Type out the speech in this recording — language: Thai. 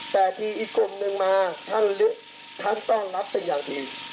แต่ทีอีกกลุ่มหนึ่งมาท่านต้อนรับเป็นอย่างดี